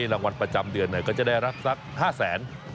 รางวัลประจำเดือนก็จะได้รับสัก๕แสน